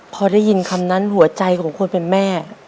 พอได้ยินคำนั้นหัวใจของคนเป็นแม่